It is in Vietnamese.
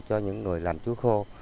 cho những người làm chuối khô